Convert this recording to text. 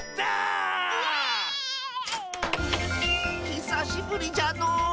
ひさしぶりじゃのう。